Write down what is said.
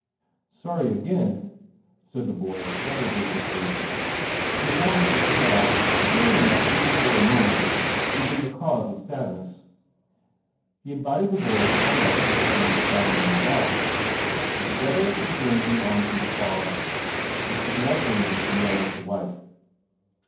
"Sorry again," said the boy rather hopeless^ Sir Thomas looked sad, fearing that, even a moment, he had been the cause of sadness, invited the boy to come up and sit beside h a on the box, and together they journeyed 1 through the fog, which was now changing fr m yellow to white.